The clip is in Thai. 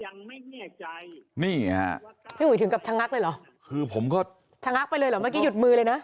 ยังไม่แน่ใจพี่ห่วยถึงกับชะงักเลยเหรอชะงักไปเลยเหรอเมื่อกี้หยุดมือเลยนะ